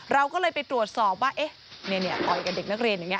เราก็เลยไปตรวจสอบว่าต่อยกับเด็กนักเรียนอย่างนี้